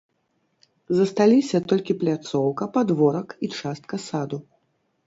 Засталіся толькі пляцоўка, падворак і частка саду.